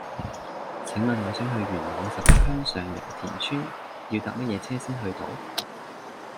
請問我想去元朗十八鄉上攸田村要搭乜嘢車先去到